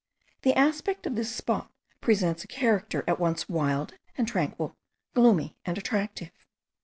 The aspect of this spot presents a character at once wild and tranquil, gloomy and attractive.